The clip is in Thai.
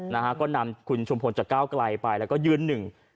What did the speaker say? นะฮะก็นำคุณชุมพลจากก้าวไกลไปแล้วก็ยืนหนึ่ง